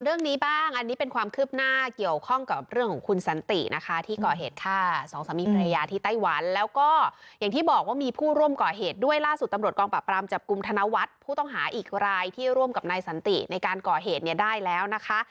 เรื่องนี้บ้างอันนี้เป็นความคืบหน้าเกี่ยวข้องกับเรื่องของคุณสันตินะคะที่ก่อเหตุฆ่าสองสามีภรรยาที่ไต้หวันแล้วก็อย่างที่บอกว่ามีผู้ร่วมก่อเหตุด้วยล่าสุดตำรวจกองปราบปรามจับกลุ่มธนวัฒน์ผู้ต้องหาอีกรายที่ร่วมกับนายสันติในการก่อเหตุเนี่ยได้แล้วนะคะ